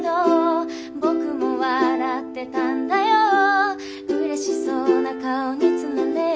「ぼくも笑ってたんだよ嬉しそうな顔につられ」